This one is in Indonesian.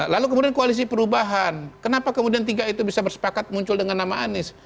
lalu kemudian koalisi perubahan kenapa kemudian tiga itu bisa bersepakat muncul dengan nama anies